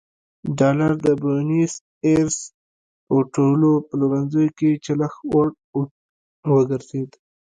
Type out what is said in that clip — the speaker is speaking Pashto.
ډالر د بونیس ایرس په ټولو پلورنځیو کې چلښت وړ وګرځېد.